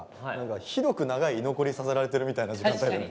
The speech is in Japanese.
ひどく長い居残りさせられてるみたいな時間だよね。